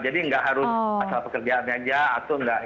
jadi nggak harus pasal pekerjaan aja atau nggak